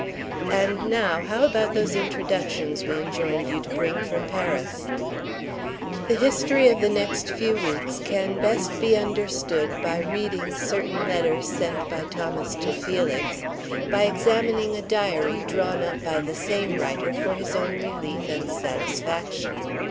"And now how about those introductions we enjoined you to bring from Paris?" The history of the next few weeks can best be understood by reading certain letters sent by Thomas to Felix, by examining a diary drawn up by the same writer for his own relief and satisfaction.